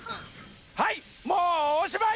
はいもうおしまい！